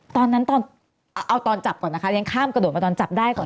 ตอนนั้นตอนเอาตอนจับก่อนนะคะเรียนข้ามกระโดดมาตอนจับได้ก่อน